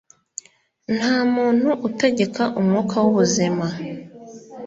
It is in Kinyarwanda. nta muntu utegeka umwuka w'ubuzima